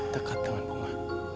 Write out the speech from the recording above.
dekat dengan bunga